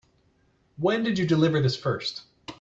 When did you deliver this first?